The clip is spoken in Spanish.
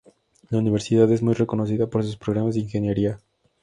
La Universidad es muy reconocida por sus programas de ingeniería.